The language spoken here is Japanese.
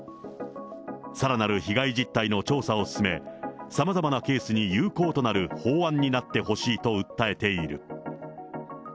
さらなる被害実態の調査を進め、さまざまなケースに有効となる法案になってほしいと訴えている。